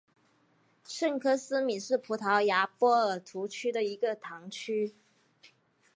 圣科斯米是葡萄牙波尔图区的一个堂区。